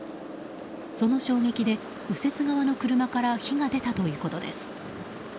その衝撃で右折側の車から火が出たということです。